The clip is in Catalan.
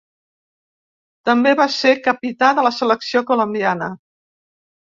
També va ser capità de la selecció colombiana.